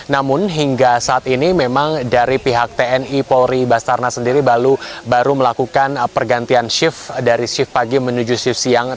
namun hingga saat ini memang dari pihak tni polri basarna sendiri baru melakukan pergantian shift dari shift pagi menuju shift siang